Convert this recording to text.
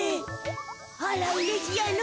あらうれしやの。